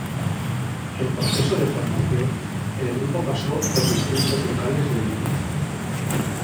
En proceso de formación, el grupo pasó por distintos locales de Vigo.